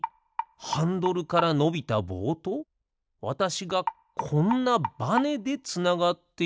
ハンドルからのびたぼうとわたしがこんなバネでつながっているだけ？